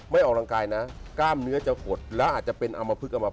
ไม่ออกรางกายนะกล้ามเนื้อจะหกดและอาจจะเป็นอำมพึกอำมพาต